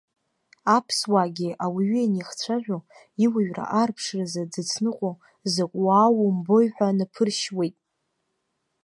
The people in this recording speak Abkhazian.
Аԥсуаагьы ауаҩы ианихцәажәо, иуаҩра аарԥшразы дзыцныҟәо закә уаау умбои ҳәа наԥыршьуеит.